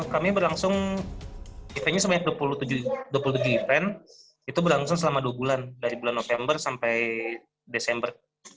kami berlangsung eventnya sebanyak dua puluh tujuh event itu berlangsung selama dua bulan dari bulan november sampai desember